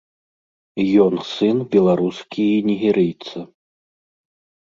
Ён сын беларускі і нігерыйца.